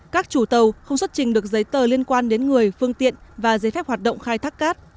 các chủ tàu không xuất trình được giấy tờ liên quan đến người phương tiện và giấy phép hoạt động khai thác cát